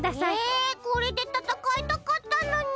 えこれでたたかいたかったのに！